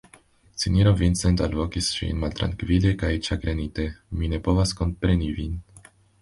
Sinjoro Vincent alvokis ŝin maltrankvile kaj ĉagrenite, mi ne povas kompreni vin.